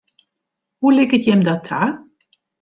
Hoe liket jim dat ta?